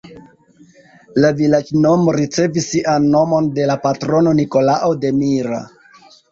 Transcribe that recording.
La vilaĝnomo ricevis sian nomon de la patrono Nikolao de Mira.